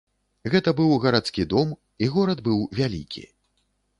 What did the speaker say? Гэта быў гарадскі дом, і горад быў вялікі.